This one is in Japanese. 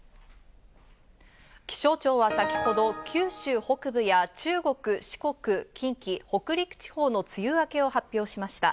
気象庁は先ほど九州北部や中国、四国、近畿、北陸地方の梅雨明けを発表しました。